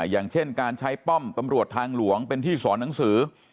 อย่างเช่นการใช้ป้อมตำรวจทางหลวงเป็นที่สอนหนังสือ